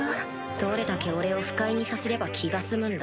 どれだけ俺を不快にさせれば気が済むんだ